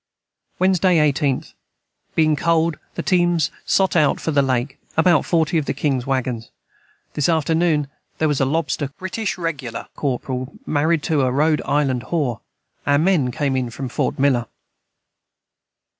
Wednesday 18th. Being cold the teams sot out for the Lake about 40 of the Kings waggons this afternoon their was a Lobster Corperel married to a Road Island whore our men came in from Fort Miller.